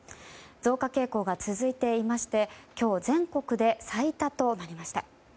増加傾向が続いていまして今日、全国で最多となりました。